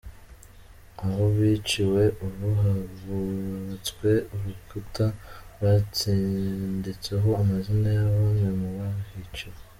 Aho biciwe, ubu hubatswe urukuta rwanditseho amazina ya bamwe mu bahiciwe.